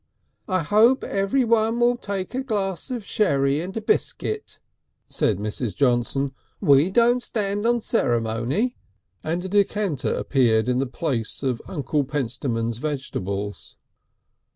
"I hope everyone'll take a glass of sherry and a biscuit," said Mrs. Johnson. "We don't stand on ceremony," and a decanter appeared in the place of Uncle Pentstemon's vegetables.